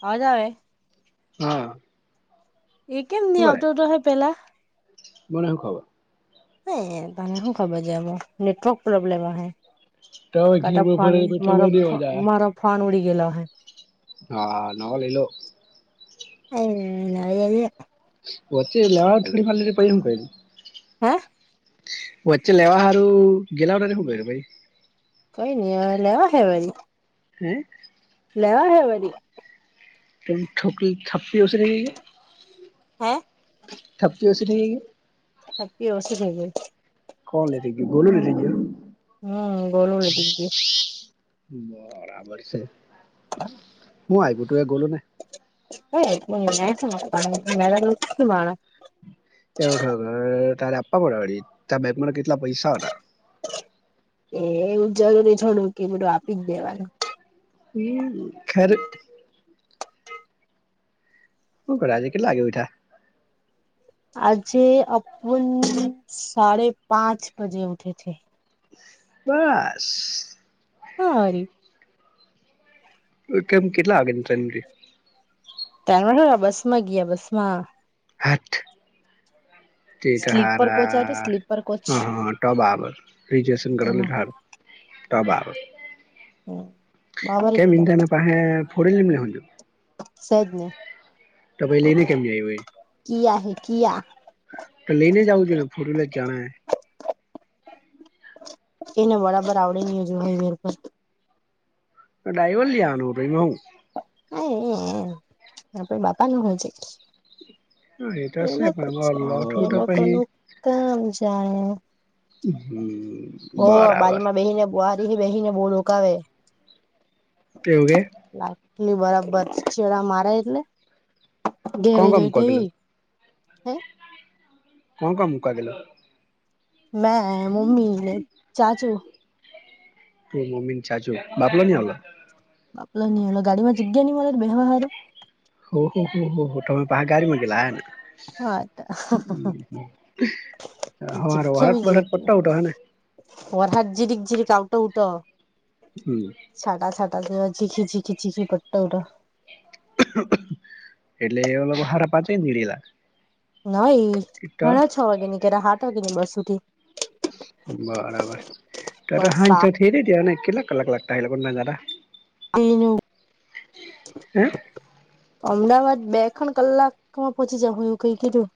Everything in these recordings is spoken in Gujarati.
અવાજ આવે? હા એ કેમ શું ની કરે આવતો તો અહે પેલા? મને હું ખબર. હે તને હું ખબર જાવ નેટવર્ક પ્રોબ્લેમ અહે. કાં તો ફોન મારો ફોન ખબર મારો ફોન ઉડી ગયલો અહે. હા નવો લઈલો. હમ નવો લઈ લો. વચ્ચે [inaudible] હે? વચ્ચે લેવા હારું ગેલા હતા તે હું કર્યું ભઈ? કઈ ની હવે લેવા હે વરી. હે? લેવા હૈ વરી. કેમ ઠોકરી થઠપી ઓસી થઈ ગી હે? હે થઠપી ઓસી થઇ ગી હે? થપ્પી ઓસી થઈ ગઈ. કોણ લેતી ગયો ગોલુ લેતી ગયો? હમ ગોલુ લેતી ગયો. બરાબર છે. હું આયપુ તુ એ ગોલુંને? કાંઈ આઇફોન આઇફોન આપવાનો [inaudible] એવુ થોડી તારે આપવા પડે વડી તારા બેંકમાં કેટલા પૈસા હતા? એ એવું જરૂરી થોડું કે બધું આપી જ દેવાનું. હમ ખર હું કરે આજે કેટલા વાગે ઉઠ્યા? આજે અપુન સાડે પાંચ બજે ઉઠે થે. બસ? હહ વરી. ઉઠે એમ કેટલા વાગે ઉઠેન [inaudible] તાણે હું ખબર બસમાં ગયા બસમાં. હાથ તેટ સ્લીપર કોચ આવે હારા. સ્લીપર કોચ હહ હહ તો બરાબર રિજ્યુએશન કરેલુ હોય તેમાં તો હારું તો બરાબર. હમ કેમ એન તને પાહેે ફોડીને મેહુલિયો. સેજ ને. તમે લઈને કેમ ની આયવો? કિયા હે કિયા. તો લઈને જાઉ જોઈએ ફૂલને ચણા. એને બરાબર આવડેની હજુ મહિને [inaudible] ડ્રાઈવર લીઆનું તો એમાં હું. [inaudible] આપણા બાપાનો હોલ છે? હ એ તોશ લોકો ને જાણે લોઠુ એ તો લોકો પહીં. નું કામ જાણે હમ. ઓ બારી બરાબર માં બેહીને બારી બેહીને બો રોકાવે. તેવુજ ને. લાટલી બરાબર છેડા મારે એટલે ઘેરે કોણ કોણ જય મૂકવા ગેલો તેવી હે કોણ કણ મુકા ગેલા? મેં મમ્મી ને ચાચુ. તું, મમ્મી ને ચાચુ. બાપલે નહીં આવલા? બાપલાની હલો ગાડી માં જગ્યા ની મળે બેહવા વાળું. હો હો હો હો હો તમે પા ગાડીમાં ગેલા ને. હા હમ્મ હઢાત પઠાત પતા ઉ તો હને. ઓરાત જીરીક જીરીક આઉટો ઉતો. હમ્મ. છાટા છાટા તેવા ચીખી ચીખી ચીખી પટવ ઊટા. એટલે એનલોકો હારા પાચે નીડીલા. ના એ હાડા છ વાગે નીકળા હાથ વાગે ની બસ ઉઠી. બરાબર પણ તાદા હાદ ઇટી ત્યાં ન ને કેટલા કલાક લાગતા એ લોકો ગ નાદા. અ એનું હે અમદાવાદ બે ખણ કલાકમાં પોહોંચી જહ હું કઈ કીધું.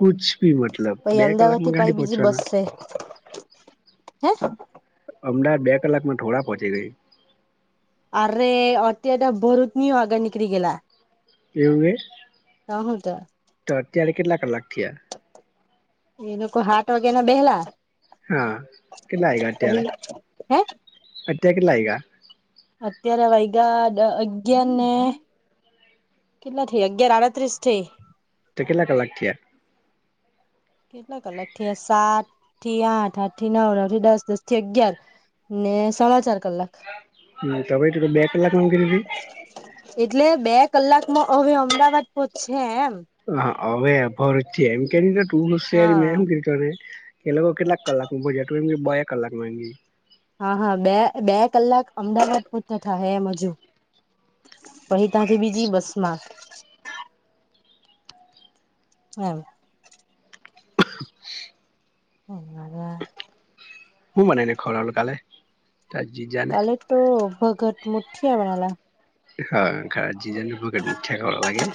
કુછ ભી મતલબ પાઈ બે અમદાવાદ કલાકમાં થી ગાંડી પાઈ બીજી બસ પહોંચવાના છે. હે? અમદાવાદ બે કલાક માં થોડા પહોંચે કઈ. અરે અત્યારે ભરૂચ ની આગળ નીકળી ગેલા. કેવું એ. ત હ તો તો અત્યારે કેટલા કલાક થીયા? એ લોકો હાત વાગે ના બેહેલા. હા, કેટલા આઈગા અત્યારે. હે અત્યારે કેટલા આઈગા? અત્યારે વૈગા દ અગયાર ને કેટલા થયા અગિયાર આડત્રીસ થે. તે કેલાક થિયા? કેટલા અલગ થયા સાત થી આઠ આઠ થી નવ નવ થી દસ દસ થી અગિયાર. ને સાડા ચાર કલાક. હ તો ભય ત બે કલાક કરી? એટલે બે કલાકમાં હવે અમદાવાદ પહોશે એમ. હા હવે ભરજથી એમ કે તુંયારી હા મે. ને, એ લોકો કેટલાક કલાક ભજેમ બે કલાક માંગી. હા હા બે બે કલાક અમદાવાદ પહતા થા હેમ હજુ. પછ ત્યાથી બરાબર બીજી છે બસ માં. એમ. [unintelligible] હ. હું બનાનેને ખરા હ કલે તાર જીત જા ને? કાલે તો ભગત મુઠ્ઠી હ મનાલા. હા ખરા જીજ ભ મીઠ્યા કરવા લાગે.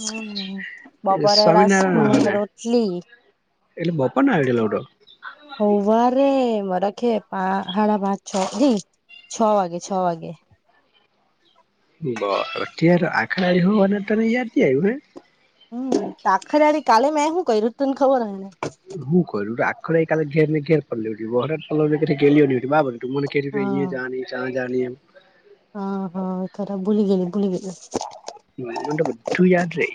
હમ્મ બપોરે સ્વામિનારાયણ રાસને આવવાના રોટલી એટલે બપને આઈડિયા લઉડો? હૌવા મરાખે પા સાડા પાંચ છ ન. છ વાગે છ વાગે. બાર [unintelligible] ખરાડી હોવા અને તને યાદથી આવ્યું હને. હમ્મ આખરેડી કાલે મે શું ક્યું તું ને ખબર હને? હું ક્યું રાખરે કાલે ઘેર ને ઘેર પડ ઉ બોરા પડ ગેલી ડુમન કેઈ એ હા જણી ચયાં જણીમ. હા હા ખરા ભૂલી ગેલી ભૂલી ગેલી. હ બધધું યાદ રે.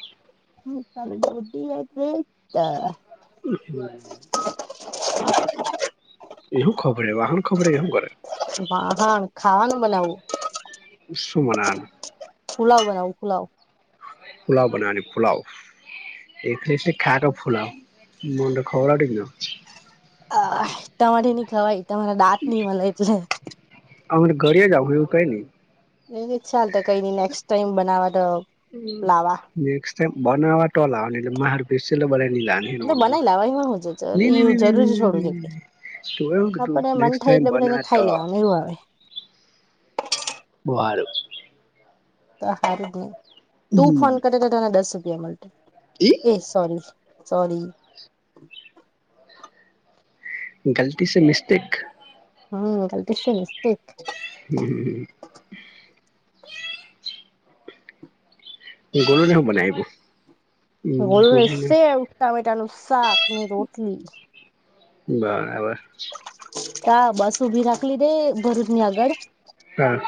[unintelligible] [inaudible] એવું ખબરે વાહન ખબરે એહુ કરે. હ હા ખાવાનું બનાવવું. શુ બનવાના? પુલાવ બનાવું પુલાવ. પુલાવ બનાવવાની પુલાવ. એ ખાટો પુલાવ મન તો ખવડાવતી પણ નથી. આ તમારે ની ખવાય તમારા દાંત નઈ મલે એટલે. અમને ઘડી જાવું એવું કઈ નઈ. એ ચાલત કઈ નઈ નેક્સ્ટ ટાઈમ બનાવા તો હમ્મ લાવા નેક્સ ટાઈમ બનાવે તો લાવાની એટલ માર પીસીએલ બનાઈ ને નઇ એટલે બનાવી લાવાની. લાવવા એમાં હું છે, ની એવું ની ની ની જરૂરી છોડું છે [unintelligible] તું એ હું કીધું આપડે મન નેકસ થાય ટાઈમ એટલે બધાને બનાવે ખાઈ તો. લેવાનું એવું આવે બો હારુ. તો હારું જ ને તું ફોન હમ્મ કરે તો તને દસ રૂપિયા મળતે [unintelligible] એ સોરી સોરી ગલતી સે મિસ્ટેક હ ગલતી સે મિસ્ટેક [unintelligible] ગોલુ ને હું બનાઈવું ગોલુ ને શેવ ટામેટા નું શાક ને રોટલી બરાબર તા બસ ઊભી રાખલી દે ભરૂચ ની આગળ હા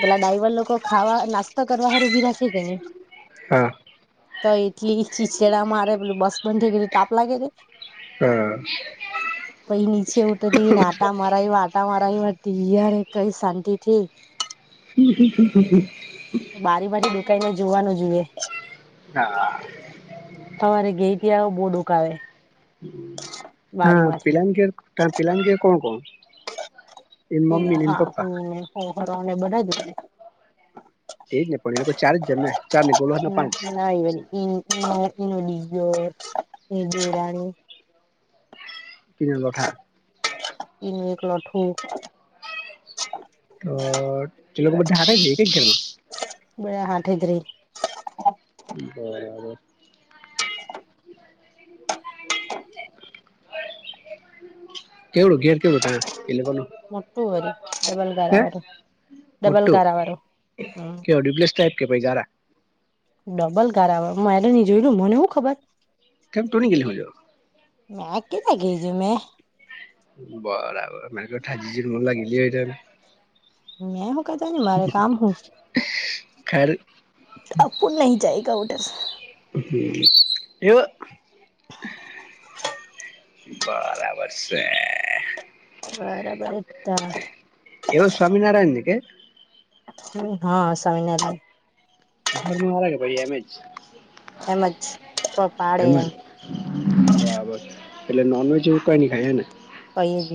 પેલા ડાઈવર લોકો ખાવા નાસ્તા કરવા હાર ઉભી રાખે કે નહી હા તો એટલી ચીચેડા માંરે પેલું બસ બંધ થઈ ગઈ તાપ લાગે કે હા. પહી નીચે ઉટે તે નાતા મારા એવા આટા મારા એવા ત્યારે કઈ શાંતિ થી [inaudible] બારીમાંથી દુકાઈને જોવાનું જોઈએ હા સવારે ગઈ થી આવ બહુ [unintelligible] આવે હા પેલાન ઘેર પલાની ઘેર કોણ કોણ એનું મમ્મી ને હા પપ્પા [unintelligible] એજ ને પણ એ ચાર જ ને ચાર ને ગોલહ ના પાંચ [unintelligible] [unintelligible] [unintelligible] એક લોઢું [unintelligible] [unintelligible] બધા હાથે જ રેય બરાબર કેવડું ઘેર કેવું ત્યા એ લોકોનું મોટું વરી ડબલ ગારા હે વારુ મોટું હમ કેવા ડ્યુબલ્સ ટાઈપ કે ભાઈ ગારા ડબલ કરાવે [unintelligible] જોલું મને હું ખબર કેમ તું ની ગેલી [unintelligible] મે કેતા ગઈજુ મેં. બરાબરા મર થાજી જ મન લાગિ હો. મેં હું કતા મારે કામ હું. ખર અપુન નહી જાયગ ઉટર. હમ્મ એવ. [unintelligible] બરાબર. એવ સ્વામીનરાયણ નની કે. હા સમમના. ઘરમાં મારા કે પડી એમ જ. એમજ પાડે એમ. બરાબર એટલે નોનવેજ એવું કઈ નઈ ખાય હ ને? કઈ જ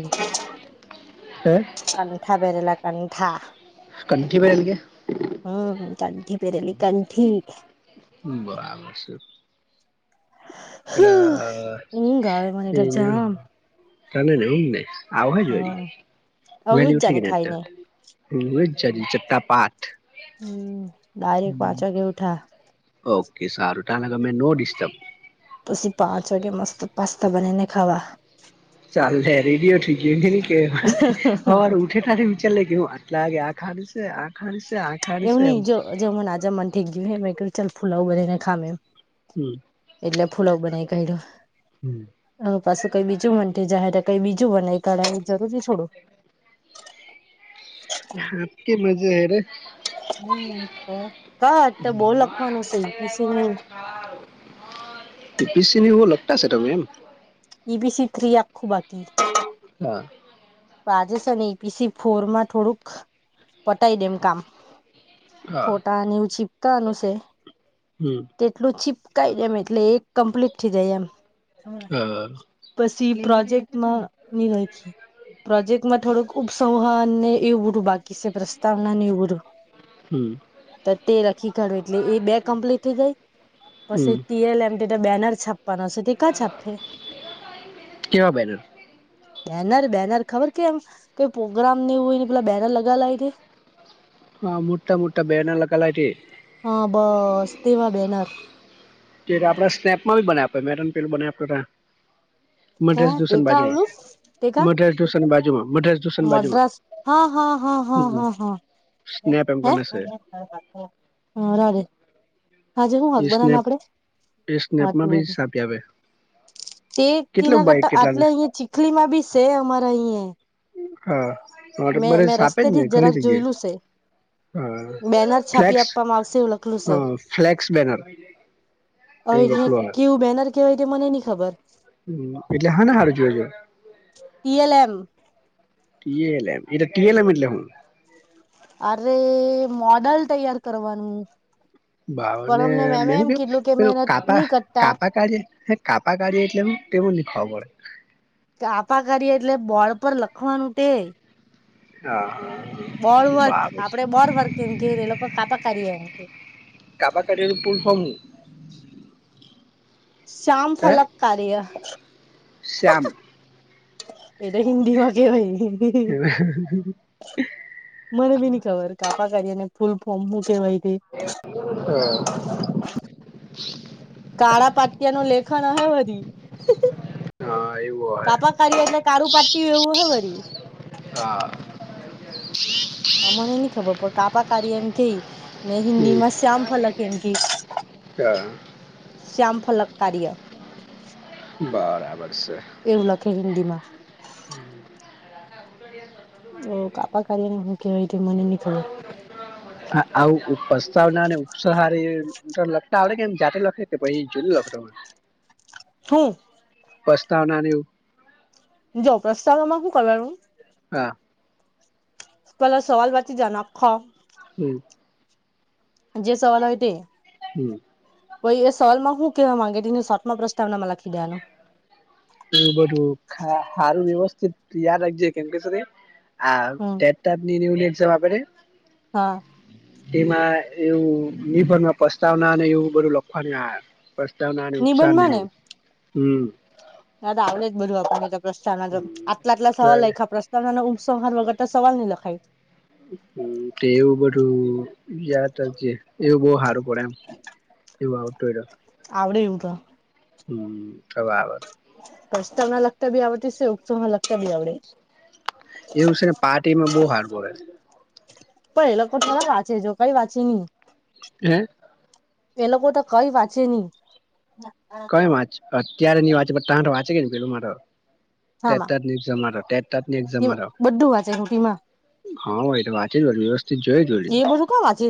કંઠા પહેરેલા કંઠા. કંઠી બહેલગ. હમ્મ કંઠી પેરેલી કંઠી. બરાબર છે. ઊંઘ આવે મને એ તો એને જામ ત ન હમ નને. આ જ હમ આવું જ ઉઠ કે જાને ના ખાઈને ચા પાથ. હમ્મ ડાયરેક્ટ પાંચ વાગે ઉઠા. ઓકે સારું તં લગર મેં નો ડિસ્ટર્બ. પછી પાચ વાગ મસ્ત પાસ્તા બનેને ખાવા. ચાલલે રેડીિયો ઠી નને કે ખાવા હર ઉઠે ત્યારે. ચલે ગ હું આટલાગે આ ખાડશે આ. [unintelligible] એમ ન જો મને આજા મન ઠઈક ગયું મેં ક્યું ચાલ ફુલાવું બધીને ખ એમ. હમ્મ. એટલે ફૂલોક બનાવી કાઢ્યો. [inaudible] અને પાછું કઈ બીજું મનતી જાહેર કઈ બીજું બનાઈ કાઢું જરૂરી થોડું. આકી મજે હ રે. હમ્મ તો કટ તો બહ લખવાનું છે પીછ પીસીની લગતાશે તમે એમ. ઈ બી સી થ્ર આ ખુ બાકી. હ. તો આજે સર ને એઈપીસી ફોર માં થોડુંક પટાઈ દેમ કામ. હા ફોટાનેવું છીપતાનું છે.. હમ તેટલું છીપકાાયમ એટલે એક કમ્પ્લીટ થઈ જાય એમ. હા પછી પ્રોજેક્ટમાં ની રાખીએ. પ્રોજેક્ટમાં થોડુંક ઉપસંહને એવું બૂરું બાકી છે પ્રસ્તાવના ને ઈ બધું. હમ તો તે રખી કાઢું એટલે એ બે કમ્પ્લીટ થઈ ગઈ પછી હમ ટીએલ એમ બેનર છાપવાનો હશે તે ક છાપે. કેવા બેનર બેનર બેનર ખબર કે એમ કોઈ પ્રોગ્રામ હોય ને પેલા બેનર લગાલાય છે. હ મુટા મુટા બેનાલ કલાથી. હા બસ તેવા બેનર. કે આપણે સ્નેપમાં બી બ આપ મે પેલ બ આપ. કા મધ્રસ તે દુષણ કા બાજુમાં આવલું તે કા મધ્રસ દુષણ બાજુમાં મધ્રસ. મદ્રાસ હા હા હા હા હમ હા હા સ્નેપ એમ હે. કરીને છે હા રાજે. હાજ હું હક એ બનાને સ્નેપ આપડે એ હા તું સ્નેપમાં બી બને. સાપી આવે તે કેટલું તેના બાઈક કરતા આટલે કેટલાનું અહિયાં ચીખલીમાં બી છે અમારા અહીંયા. હાઆપેજ ને રસ્તેથી જ ઘણી જરાક જગ્યાએ. જોયેલું છે બેનર હ છાપી ફ્સ આપવામાં આવશે એવું લખલું હ છે ફ્લેક્સ બેનર. એવું હવે લખલું આવે કેવું બેનર કેવાય તે મને નઈ ખબર હ એટલે હા હારું જોયો જ [unintelligible] એ ટીએલ એમ એટલે હું. અરે મોડલ તૈયાર કરવાનું. પણ બાવને અમને મેમે મે એમ કું કીધલું કે પેું મહેનત કાપા નહી કરતા કાપા કાઢે કાપા કાઢીએ એટલે એમ તેવ નને ખબર કાપા કરીએે એટલે બોળ પર લખવાનું તે. પડે હા બોર વર્ક બરાબર આપડે બોર વર્ક એમ કેને એ લોકો કાપા કરીએ એમ. કાબા ક પુલ ફોમ? શ્યામ હે ફલક કાર્ય. શ્યામ. [unintelligible] મને બી ન ખબર કાપા કઢી ને ફૂલ ફોર્મ હું કેહેવાય? હા. કાળા પાટિયા નો લેખન હ બધી. હા એવું હૈ. કાપા કાર્ય એટલે કારું પાટ્ટી એવું હે વરી હા. હ મને નઈ ખબર પડ કાપાકારળી એમ કે ને હિન્દી માં શ્યામ ફલક એમ કે. અ હા. શ્યામફલ કાર્ય. બરાબર છે. એવું લખે હિન્દી માં [inaudible] કાપા કાર્યને શું કેવાય ત મને નની ખબર હા આવું પ્રસ્તાવના અને ઉપસાહારી. લખતા આવડે કે એમ જાતે લખે કે પછી જોયું લખો છું. પ્રસ્તાવના ન એવું જો પ્રસ્તાવના અમાં શું કરવાનું હા. પેલો સવાલ વાંચી જવાન આખા હમ. જે સવાલ હોય તે હમ. પછી એ સવાલમાં હું કેવા માંગે તેને શોટમાં પ્રસ્તાવનામાં લખી દેવાનો એ બધું સારું વ્યવસ્થિત યાદ રાખજે કેમ કે છે. ને આ હમ ટેટની એક્ઝામ આપે હા. તેમાં એવું નિબંધ પ્રસ્તાવના અને એવું બધું લખવાનું આવ પ્રસ્તાવના અને ઉપત્સાહ નિબંધમાં ને એવું હમ હા તો આવડે જ બધું આપણે પ્રસ્તાવના આટલા આટલા તો સવાલ લખ્યા પ્રસ્તાવ ઉપસંહ વગર તો સવાલ નહી લખાય હ તો એવું બધું યાદ રાખજે. એવું બહુ સારું પડે એમ એવું આવતું હોય તો આવડે એવું તો. હ તો બરાબર. પ્રસ્તાવ ના લગતા બી આવડે છે, ઉપસંહાર ના લગતા બી આવડે. એવું છે ને પાર્ટ એમાં બહુ હાર પડે છે. પણ એ લોકો થોલા વાંચે જો કઈ વાંચે નહી હ. [unintelligible] એ લોકો તો કઈ વાંચે ની. કઈ વાંચ અત્યારે નની વાંચં વાંચે કે ન પેલું મારો હામાં ટેતટત નિ એક્ઝામવારા બધું વાંચે હુટીમાં હા ભાઈ તો વાચે જ હો વ્યવસ્થિત જોય જ હોય. કો વાચી